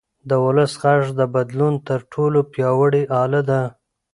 د ولس غږ د بدلون تر ټولو پیاوړی اله ده